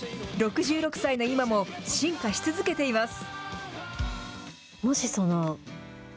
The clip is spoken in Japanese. ６６歳の今も進化し続けています。